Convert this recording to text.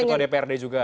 oke ketua dprd juga